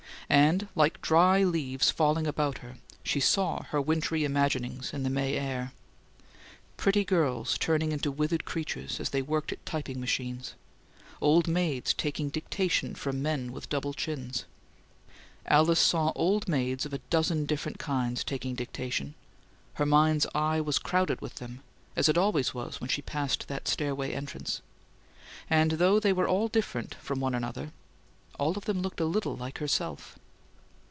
And like dry leaves falling about her she saw her wintry imaginings in the May air: pretty girls turning into withered creatures as they worked at typing machines; old maids "taking dictation" from men with double chins; Alice saw old maids of a dozen different kinds "taking dictation." Her mind's eye was crowded with them, as it always was when she passed that stairway entrance; and though they were all different from one another, all of them looked a little like herself.